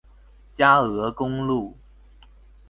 佳鵝公路